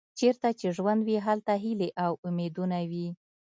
چیرته چې ژوند وي هلته هیلې او امیدونه وي.